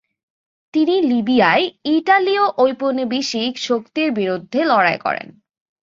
তিনি লিবিয়ায় ইতালীয় ঔপনিবেশিক শক্তির বিরুদ্ধে লড়াই করেন।